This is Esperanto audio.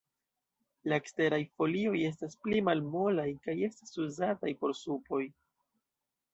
La eksteraj folioj estas pli malmolaj, kaj estas uzataj por supoj.